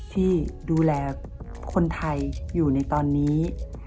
ที่ดูแลคนไทยอยู่ในตอนนี้